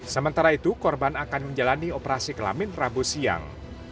sementara itu korban akan menjalani operasi kelamin rabu siang